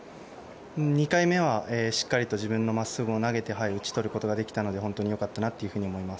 ２回目はしっかり自分の真っすぐを投げて打ち取ることができたので本当によかったなと思います。